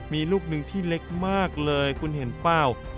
มีลูกหนึ่งที่เล็กมากเลยคุณเห็นเปล่า